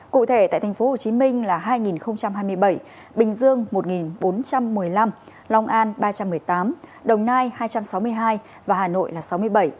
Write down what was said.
cụ thể tại tp hcm là hai hai mươi bảy bình dương một bốn trăm một mươi năm long an ba trăm một mươi tám đồng nai hai trăm sáu mươi hai và hà nội là sáu mươi bảy